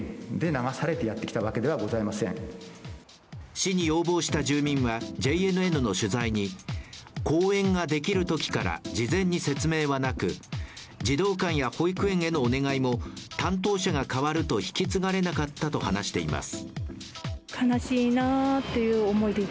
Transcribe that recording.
市に要望した住民は、ＪＮＮの取材に公園ができるときから事前に説明はなく、児童館や保育園へのお願いも担当者がかわると引き継がれなかったと話しています。